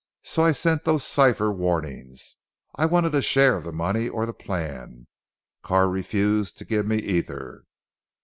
So I sent those cipher warnings. I wanted a share of the money' or the plan. Carr refused to give me either."